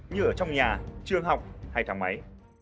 như ở trong nhà trường học hay thằng máy